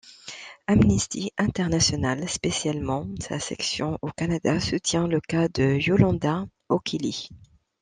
Amnistie Internationale, spécialement sa section au Canada, soutient le cas de Yolanda Oquelí.